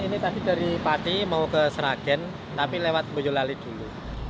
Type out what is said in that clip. ini tadi dari pati mau ke sragen tapi lewat boyolali dulu